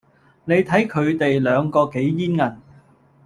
你睇佢地兩個幾煙韌